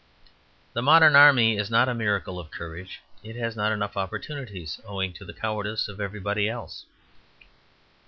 The modern army is not a miracle of courage; it has not enough opportunities, owing to the cowardice of everybody else.